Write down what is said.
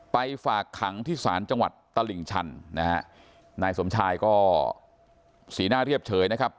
ฝากขังที่ศาลจังหวัดตลิ่งชันนะฮะนายสมชายก็สีหน้าเรียบเฉยนะครับ